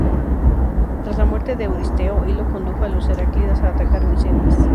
Tras la muerte de Euristeo, Hilo condujo a los heráclidas a atacar Micenas.